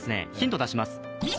ヒントいきます。